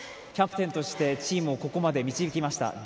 キャプテンとしてチームをここまで導きました。